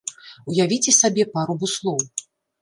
Уявіце сабе пару буслоў.